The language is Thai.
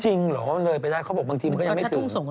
จริงเหรอมันเรยไปได้เขาบอกบางทีมันยังไม่ถึง